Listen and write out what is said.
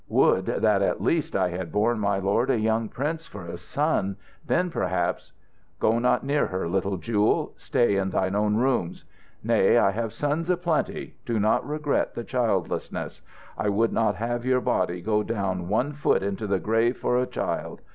Would that at least I had borne my lord a young prince for a son; then perhaps " "Go not near her, little Jewel. Stay in thine own rooms. Nay, I have sons a plenty. Do not regret the childlessness. I would not have your body go down one foot into the grave for a child.